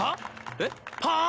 えっ？はっ！？